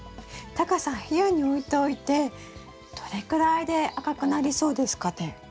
タカさん部屋に置いておいてどれくらいで赤くなりそうですかね？